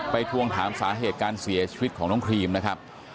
ทวงถามสาเหตุการเสียชีวิตของน้องครีมนะครับ